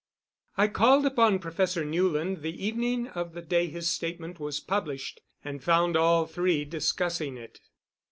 I called upon Professor Newland the evening of the day his statement was published, and found all three discussing it.